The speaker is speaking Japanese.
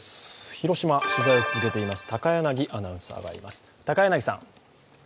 広島、取材を続けています高柳アナウンサーがいます。